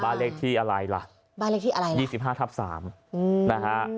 บ้านเลขที่อะไรละ๒๕ทับ๓